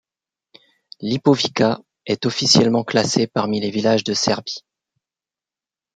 Lipovica est officiellement classée parmi les villages de Serbie.